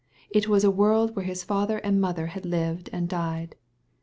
It was the world in which his father and mother had lived and died.